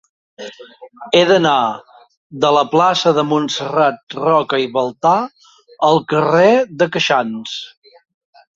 He d'anar de la plaça de Montserrat Roca i Baltà al carrer de Queixans.